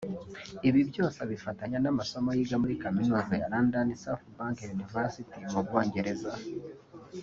Ibi byose abifatanya n’amasomo yiga muri Kaminuza ya London South Bank University mu Bwongereza